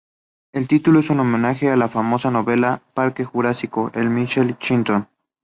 El título es un homenaje a la famosa novela "Parque Jurásico" de Michael Crichton.